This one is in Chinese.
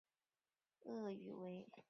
粤语为炸厘。